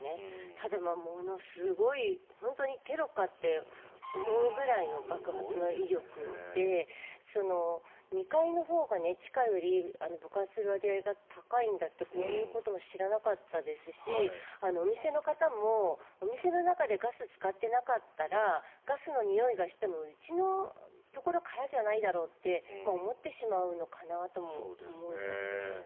ただ、ものすごい本当にテロかって思うぐらいの爆発の威力で２階のほうが地下より爆発する割合が高いんだってこういうことも知らなかったですしお店の方もお店の中でガスを使っていなかったらガスのにおいがしてもうちのところからじゃないだろうって思ってしまうのかなと思いますね。